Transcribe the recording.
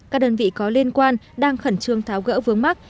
các đơn vị có liên quan đang khẩn trương tháo gỡ vướng mắt